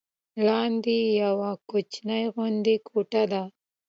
لاندې یوه کوچنۍ غوندې کوټه ده.